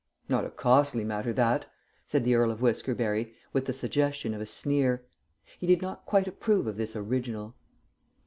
"Not a costly matter that!" said the Earl of Whiskerberry with the suggestion of a sneer. He did not quite approve of this original.